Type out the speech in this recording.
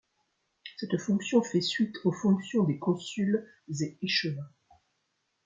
Cette fonction fait suite aux fonctions des consuls et échevins.